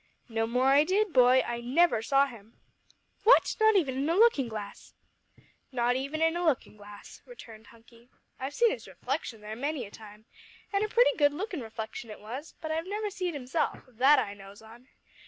"No more I did, boy. I never saw him!" "What! not even in a looking glass?" "Not even in a lookin' glass," returned Hunky. "I've seed his reflection there many a time, an' a pretty good lookin' reflection it was but I've never see'd himself that I knows on!